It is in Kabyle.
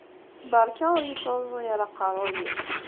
Beṛka ur yi-ttṛuẓu ara aqeṛṛuy-iw.